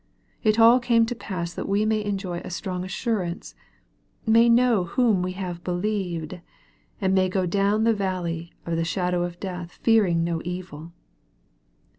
It all came to pass that we may enjoy a strong assurance may know whom we have believed, and may go down the valley of the shadow of death fearing no evil.